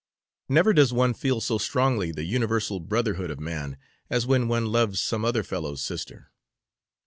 Never does one feel so strongly the universal brotherhood of man as when one loves some other fellow's sister.